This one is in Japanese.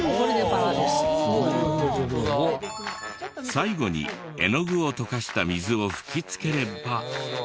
最後に絵の具を溶かした水を吹きつければ。